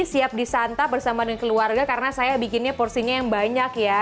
siap disantap bersama dengan keluarga karena saya bikinnya porsinya yang banyak ya